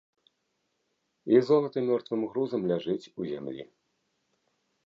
І золата мёртвым грузам ляжыць у зямлі.